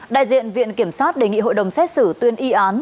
đại diện viện kiểm sát đề nghị hội đồng xét xử tuyên y án